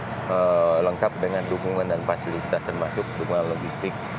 dan ada dermaga yang lengkap dengan dukungan dan fasilitas termasuk dukungan logistik